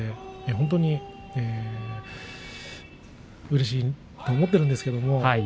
本当にうれしいと思っているんです。